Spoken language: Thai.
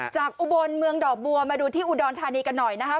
จากอุบวนเมืองด่อบัวมาดูที่อุดอนธานีกันหน่อยนะฮะ